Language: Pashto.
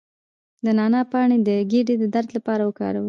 د نعناع پاڼې د ګیډې د درد لپاره وکاروئ